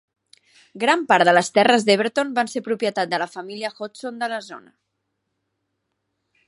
Gran part de les terres d'Everton van ser propietat de la família Hodson de la zona.